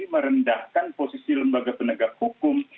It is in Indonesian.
merendahkan posisi lembaga penegak hukum